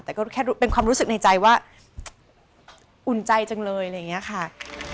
แต่ก็แค่เป็นความรู้สึกในใจว่าอุ่นใจจังเลยอะไรอย่างนี้ค่ะ